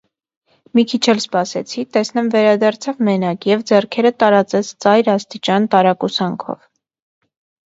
Մի քիչ էլ սպասեցի, տեսնեմ վերադարձավ մենակ և ձեռքերը տարածեց ծայր աստիճան տարակուսանքով: